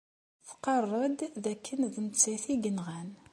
Tqarr-d dakken d nettat ay yenɣan.